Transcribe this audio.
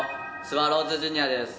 スワローズジュニアです。